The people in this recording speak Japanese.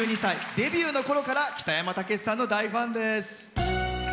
デビューのころから北山たけしさんの大ファンです。